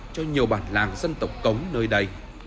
cho nhiều bản lãng dân tập cống nơi đây